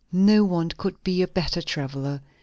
No one could be a better traveller.